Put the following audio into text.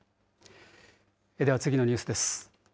では、次のニュースです。